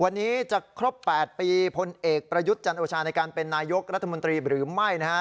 วันนี้จะครบ๘ปีพลเอกประยุทธ์จันโอชาในการเป็นนายกรัฐมนตรีหรือไม่นะฮะ